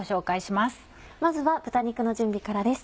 まずは豚肉の準備からです。